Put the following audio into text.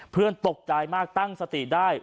เพื่อนตกใจมากตั้งสติได้